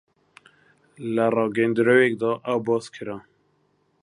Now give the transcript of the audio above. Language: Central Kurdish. لە ڕاگەیەندراوێکدا ئەوە باس کرا